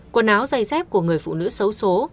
quần áo giày dép của người phụ nữ xấu xố